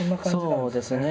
そうですね。